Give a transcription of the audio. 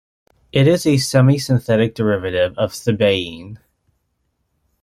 It is a semisynthetic derivative of thebaine.